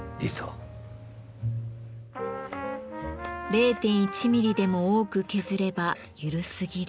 ０．１ミリでも多く削れば緩すぎる。